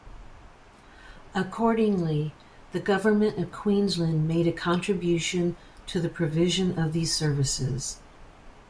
Accordingly, the Government of Queensland made a contribution to the provision of these services.